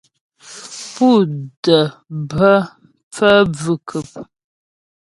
Pú də́ bhə phə́ bvʉ̀khʉm.